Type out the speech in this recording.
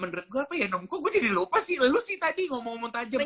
menurut gue apa ya nom kok gue jadi lupa sih lo tadi ngomong ngomong tajem